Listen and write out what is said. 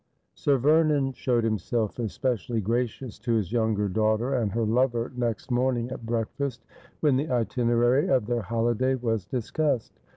Sir Vernon showed himself especially gracious to his younger daughter and her lover next morning at breakfast, wlien the itinerary of their holiday was discussed.